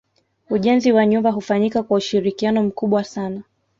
Ujenzi wa nyumba hufanyika kwa ushirikiano mkubwa sana